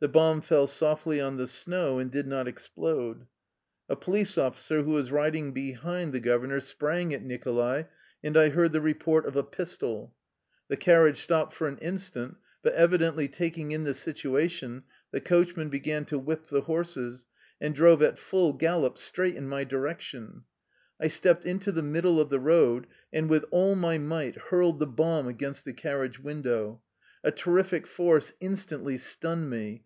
The bomb fell softly on the snow and did not explode. A police officer who was riding behind 145 THE LIFE STORY OF A EUSSIAN EXILE tbe governor sprang at Nicholai, and I beard the report of a pistoL The carriage stopped for an instant; but evidently taking in the situation, the coachman began to whip the horses, and drove at full gallop straight in my direction. I stepped into the middle of the road, and with all my might hurled the bomb against the car riage window. A terrific force instantly stunned me.